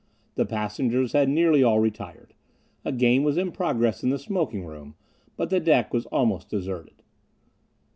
The passengers had nearly all retired. A game was in progress in the smoking room, but the deck was almost deserted.